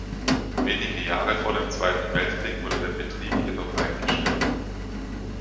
Wenige Jahre vor dem Zweiten Weltkrieg wurde der Betrieb jedoch eingestellt.